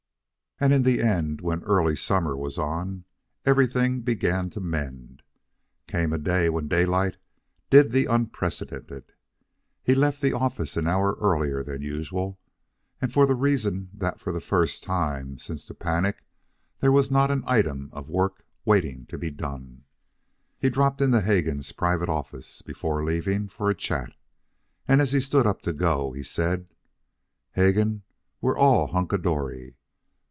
And in the end, when early summer was on, everything began to mend. Came a day when Daylight did the unprecedented. He left the office an hour earlier than usual, and for the reason that for the first time since the panic there was not an item of work waiting to be done. He dropped into Hegan's private office, before leaving, for a chat, and as he stood up to go, he said: "Hegan, we're all hunkadory.